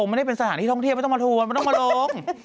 ไม่ได้เป็นสถานที่ท่องเที่ยวไม่ต้องมาทัวร์ไม่ต้องมาลง